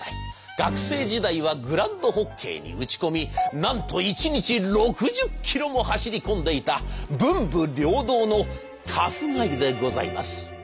学生時代はグラウンドホッケーに打ち込みなんと１日６０キロも走り込んでいた文武両道のタフガイでございます。